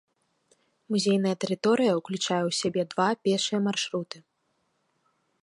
Музейная тэрыторыя ўключае ў сябе два пешыя маршруты.